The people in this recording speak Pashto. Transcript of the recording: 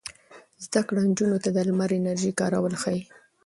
زده کړه نجونو ته د لمر د انرژۍ کارول ښيي.